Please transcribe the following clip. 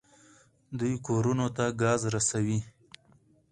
دوی کورونو ته ګاز رسوي.